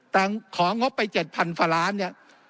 แต่ของงบไป๗๐๐กว่าล้านเนี่ย